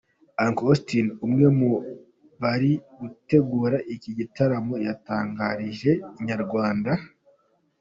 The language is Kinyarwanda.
Uncle Austin umwe mu bari gutegura iki gitaramo yatangarije Inyarwanda.